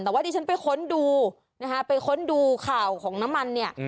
แต่ว่าดิฉันไปค้นดูนะคะไปค้นดูข่าวของน้ำมันเนี่ย